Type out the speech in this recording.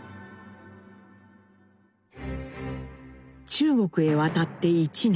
中国へ渡って１年。